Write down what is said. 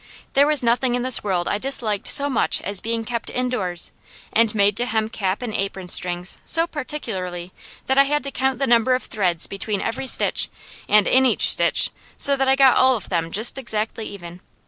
There was nothing in this world I disliked so much as being kept indoors, and made to hem cap and apron strings so particularly that I had to count the number of threads between every stitch, and in each stitch, so that I got all of them just exactly even.